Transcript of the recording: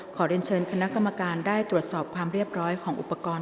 เรียนเชิญคณะกรรมการได้ตรวจสอบความเรียบร้อยของอุปกรณ์